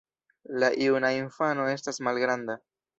La juna infano estas malgranda.